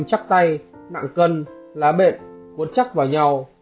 chắc tay nặng cân lá bện bỗn chắc vào nhau